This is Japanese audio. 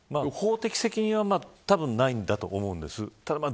法的責任はたぶんないんだと思うんです。